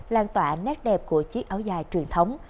lan tỏa nét đẹp của chiếc áo dài truyền thống